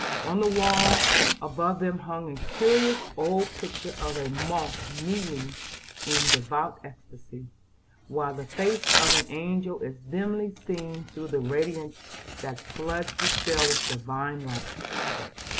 On the wall above them hung a curious old picture of a monk kneeling in a devout ecstasy, while the face of an angel is dimly seen through the radiance that floods the cell with divine light.